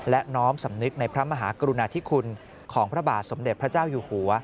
และน้อมสำนึกในพระมหากรุณาธิคุณของพระบาทสมเด็จพระเจ้าอยู่หัว